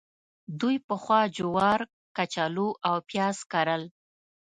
دوی پخوا جوار، کچالو او پیاز کرل.